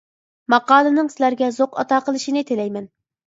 ماقالىنىڭ سىلەرگە زوق ئاتا قىلىشىنى تىلەيمەن.